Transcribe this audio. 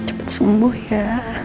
cepat sembuh ya